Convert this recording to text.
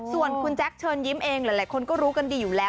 ส่วนคุณแจ๊คเชิญยิ้มเองหลายคนก็รู้กันดีอยู่แล้ว